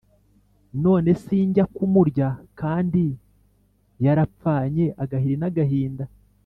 None sinjya kumurya kandi yarapfanye agahiri n'agahinda! »